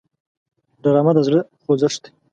ډرامه د زړه خوځښت دی